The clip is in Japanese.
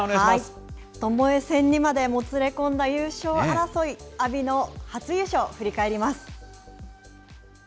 ともえ戦にまでもつれ込んだ優勝争い、阿炎の初優勝、振り返ります。